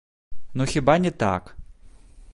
Ну хіба не так?